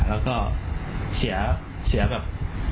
แล้วก็เสียแบบ